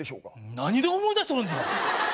何で思い出しとるんじゃ！